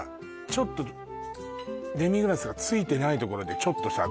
ちょっとデミグラスがついてないところでちょっとさ